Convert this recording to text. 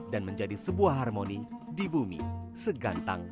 dan menjadi sebuah harmoni di bumi segantang